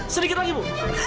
sedikit lagi ibu